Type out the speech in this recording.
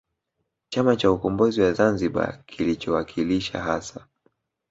Chama cha Ukombozi wa Zamzibar kilichowakilisha hasa